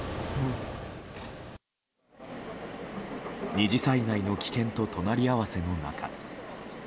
２次災害の危険と隣り合わせの中